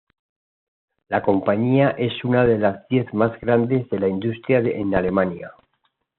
La compañía es una de las diez más grandes de la industria en Alemania.